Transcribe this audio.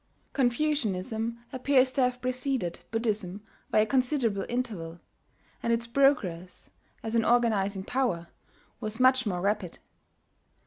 Confucianism appears to have preceded Buddhism by a considerable interval; and its progress, as an organizing power, was much more rapid.